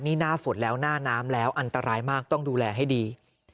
นี่หน้าฝนแล้วหน้าน้ำแล้วอันตรายมากต้องดูแลให้ดี